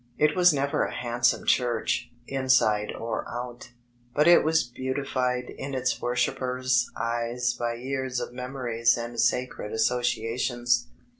It was never a handsome church, inside or out, but it was beau tified in its worshippers' eyes by years of memories and sacred associations.